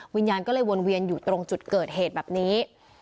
วิญญาณก็เลยวนเวียนอยู่ตรงจุดเกิดเหตุแบบนี้